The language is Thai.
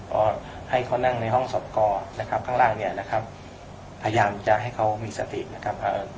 ก็ให้เขานั่งในห้องศพก่อนนะครับข้างล่างเนี่ยนะครับพยายามจะให้เขามีสตินะครับเอ่อ